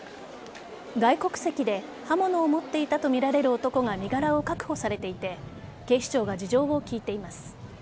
外国籍で刃物を持っていたとみられる男が身柄を確保されていて警視庁が事情を聴いています。